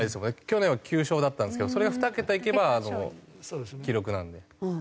去年は９勝だったんですけどそれが２桁いけば記録なので。